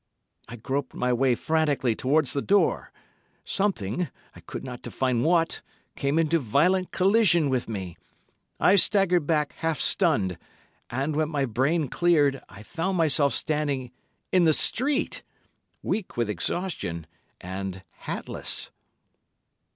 I groped my way frantically towards the door. Something—I could not define what—came into violent collision with me; I staggered back half stunned; and, when my brain cleared, I found myself standing in the street, weak with exhaustion, and—hatless.